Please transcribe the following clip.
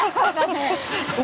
pak heru pakai lontong